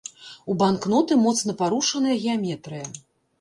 У банкноты моцна парушаная геаметрыя.